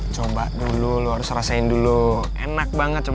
coba dulu lo harus rasain dulu enak banget